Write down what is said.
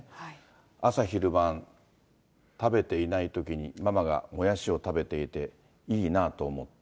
朝昼晩、食べていないときに、ママがもやしを食べていて、いいなと思った。